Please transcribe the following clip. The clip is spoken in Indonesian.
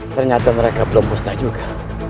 ternyata mereka belum pusnah juga